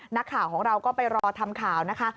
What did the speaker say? นักข่าวของเราก็ไปรอทำข่าวนะคะ